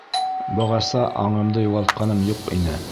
Бығаса аңымды юғалтҡаным юҡ ине.